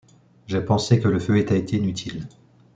J’ai pensé que le feu était inutile.